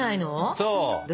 そう。